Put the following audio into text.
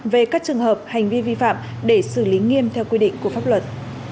về các trường hợp hành vi vi phạm để xử lý nghiêm theo quy định của pháp luật